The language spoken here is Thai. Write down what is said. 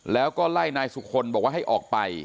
แล้วก็ไล่นายสุคลบอกว่าให้ออกไป